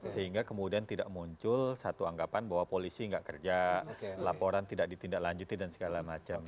sehingga kemudian tidak muncul satu anggapan bahwa polisi tidak kerja laporan tidak ditindaklanjuti dan segala macam